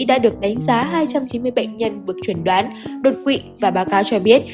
đã được đánh giá hai trăm chín mươi bệnh nhân được chuẩn đoán đột quỵ và báo cáo cho biết